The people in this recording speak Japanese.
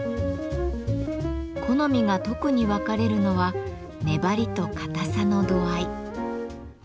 好みが特に分かれるのは「粘り」と「堅さ」の度合い。